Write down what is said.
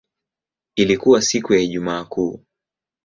Ilikuwa siku ya Ijumaa Kuu.